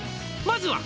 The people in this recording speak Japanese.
「まずは」